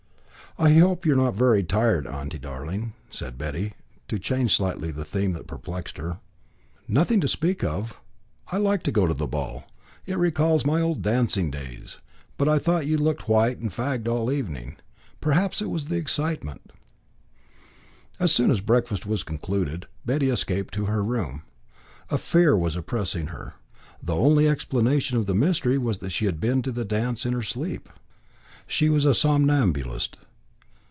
"I hope you are not very tired, auntie darling," said Betty, to change slightly the theme that perplexed her. "Nothing to speak of. I like to go to a ball; it recalls my old dancing days. But I thought you looked white and fagged all the evening. Perhaps it was excitement." As soon as breakfast was concluded, Betty escaped to her room. A fear was oppressing her. The only explanation of the mystery was that she had been to the dance in her sleep. She was a somnambulist.